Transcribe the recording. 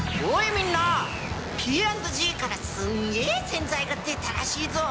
みんなＰ＆Ｇからすんげえ洗剤が出たらしいぞ！